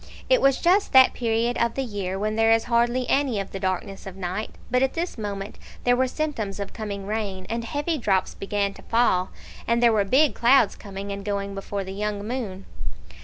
It was just that period of the year when there is hardly any of the darkness of night; but at this moment there were symptoms of coming rain, and heavy drops began to fall; and there were big clouds coming and going before the young moon.